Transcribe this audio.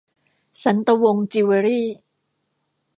สันตะวงศ์จิวเวลรี่